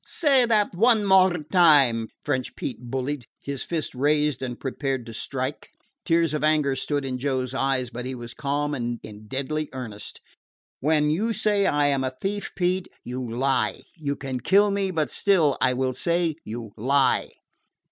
"Say dat one time more," French Pete bullied, his fist raised and prepared to strike. Tears of anger stood in Joe's eyes, but he was calm and in deadly earnest. "When you say I am a thief, Pete, you lie. You can kill me, but still I will say you lie."